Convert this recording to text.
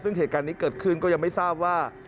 ซึ่งเหตุการณ์นี้เกิดขึ้นก็ยังไม่ทราบว่า